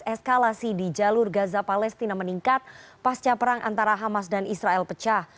eskalasi di jalur gaza palestina meningkat pasca perang antara hamas dan israel pecah